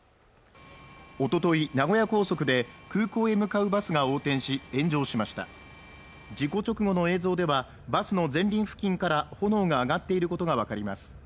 おととい名古屋高速で空港へ向かうバスが横転し炎上しました事故直後の映像ではバスの前輪付近から炎が上がっていることが分かります